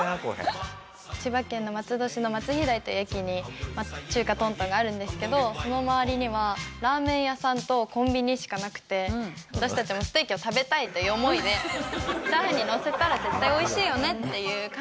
千葉県の松戸市の松飛台という駅に中華東東があるんですけどその周りにはラーメン屋さんとコンビニしかなくて私たちのステーキを食べたいという思いでチャーハンにのせたら絶対美味しいよねっていう感じで。